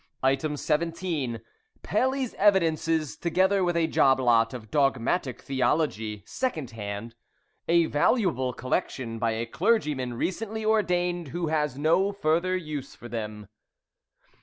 17. Paley's Evidences, together with a job lot of dogmatic theology (second hand), a valuable collection by a clergyman recently ordained, who has no further use for them.